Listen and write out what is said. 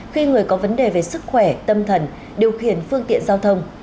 khi người có vấn đề về sức khỏe tâm thần điều khiển phương tiện giao thông